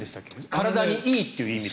体にいいという意味で。